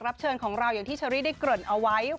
รับเชิญของเราอย่างที่แชร์ลีได้เกริดเอาไว้